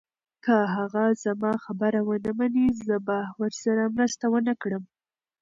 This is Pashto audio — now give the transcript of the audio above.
که هغه زما خبره ونه مني، زه به ورسره مرسته ونه کړم.